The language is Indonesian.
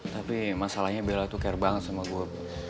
tapi masalahnya bella itu care banget sama gue